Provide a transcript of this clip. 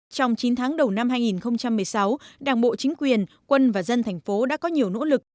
trong chín tháng đầu năm hai nghìn một mươi sáu đảng bộ chính quyền quân và dân thành phố đã có nhiều nỗ lực